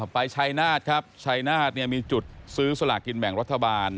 ไปชัยนาธครับชัยนาธมีจุดซื้อสลากินแบ่งรัฐบาล